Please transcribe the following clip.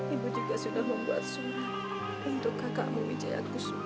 ibu juga sudah membuat surat untuk kakakmu wijaya kusuma